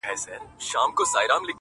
• زه وايم راسه شعر به وليكو؛